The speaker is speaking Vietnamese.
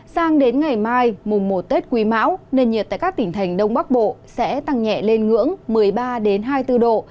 sang đến ngày mai mùng một tết quý mão nền nhiệt tại các tỉnh thành đông bắc bộ sẽ tăng nhẹ lên ngưỡng một mươi ba hai mươi bốn độ